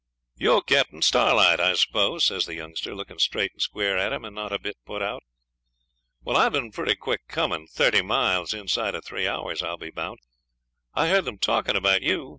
'You're Cap'n Starlight, I suppose,' says the youngster, looking straight and square at him, and not a bit put out. 'Well, I've been pretty quick coming; thirty mile inside of three hours, I'll be bound. I heard them talking about you.